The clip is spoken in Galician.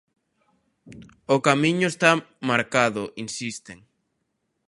"O camiño está marcado", insisten.